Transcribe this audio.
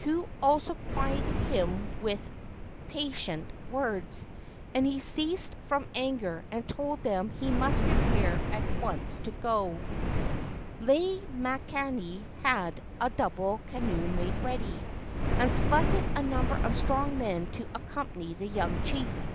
Ku also quieted him with patient words, and he ceased from anger and told them he must prepare at once to go. KE AU NINI 211 Lei makani had a double canoe made ready, and selected a number of strong men to accom¬ pany the young chief.